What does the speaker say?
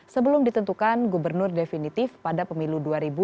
sebelum ditentukan gubernur definitif pada pemilu dua ribu dua puluh